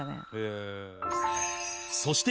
そして